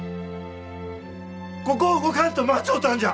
ここを動かんと待ちょったんじゃ。